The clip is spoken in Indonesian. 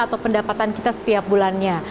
atau pendapatan kita setiap bulannya